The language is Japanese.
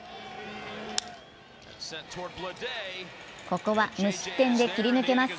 ここは無失点で切り抜けます。